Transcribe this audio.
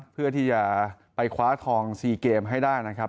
เพื่อที่จะไปคว้าทอง๔เกมให้ได้นะครับ